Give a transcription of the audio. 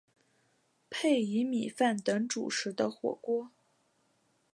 配以米饭等主食的火锅。